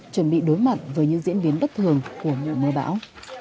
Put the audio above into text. chuẩn bị đối mặt với những diễn biến bất thường của mùa mưa bão